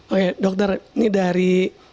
oke dokter ini dari